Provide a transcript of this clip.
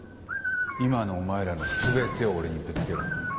今のお前らの全てを俺にぶつけろ。